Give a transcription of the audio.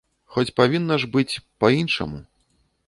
Хоць павінна ж быць па-іншаму.